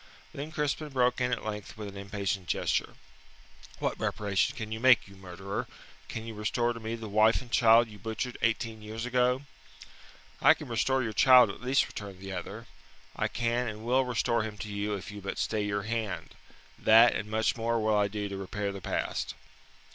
Then Crispin broke in at length with an impatient gesture. "What reparation can you make, you murderer? Can you restore to me the wife and child you butchered eighteen years ago?" "I can restore your child at least," returned the other. "I can and will restore him to you if you but stay your hand. That and much more will I do to repair the past."